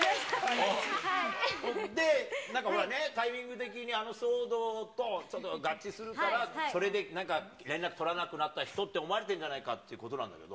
で、なんか、タイミング的に、あの騒動とちょっと合致するから、それでなんか、連絡取らなくなった人って、思われてるんじゃないかってことなんだけど。